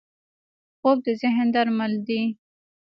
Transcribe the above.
خوب د ذهن درمل دی